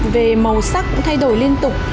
về màu sắc cũng thay đổi liên tục